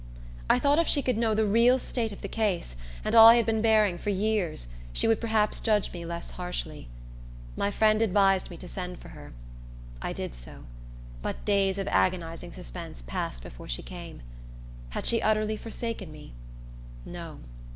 I thought if she could know the real state of the case, and all I had been bearing for years, she would perhaps judge me less harshly. My friend advised me to send for her. I did so; but days of agonizing suspense passed before she came. Had she utterly forsaken me? No.